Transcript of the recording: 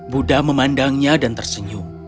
buddha memandangnya dan tersenyum